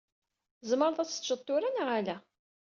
Tzemreḍ ad teččeḍ tura neɣ ala?